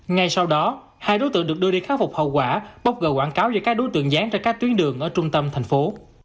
ngay sau đó hai đối tượng được đưa đi khắc phục hậu quả bốc gờ quảng cáo giữa các đối tượng dán trên các tuyến đường ở trung tâm thành phố